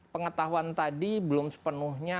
pengetahuan tadi belum sepenuhnya